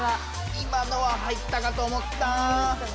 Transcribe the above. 今のは入ったかと思った！